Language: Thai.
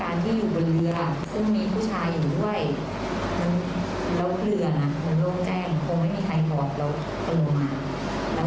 อันนี้คือประสบการณ์ที่ติดทำนะ